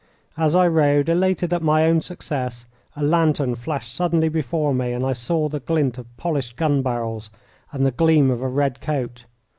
As I rode, elated at my own success, a lantern flashed suddenly before me, and I saw the glint of polished gun barrels and the gleam of a red coat.